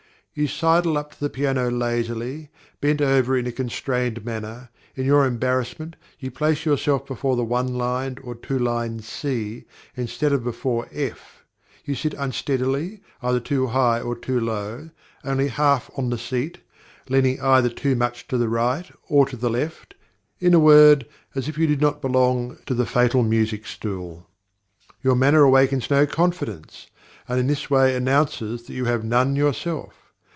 You sidle up to the piano lazily, bent over in a constrained manner; in your embarrassment, you place yourself before the one lined or two lined c, instead of before f; you sit unsteadily, either too high or too low, only half on the seat, leaning either too much to the right or to the left; in a word, as if you did not belong to the fatal music stool. Your manner awakens no confidence, and in this way announces that you have none yourself.